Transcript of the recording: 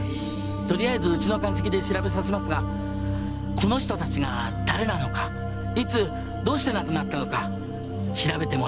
とりあえずうちの鑑識で調べさせますがこの人たちが誰なのかいつどうして亡くなったのか調べてもらえませんか？